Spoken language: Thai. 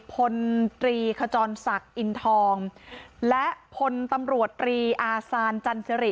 พลตรีขจรศักดิ์อินทองและพลตำรวจตรีอาซานจันสิริ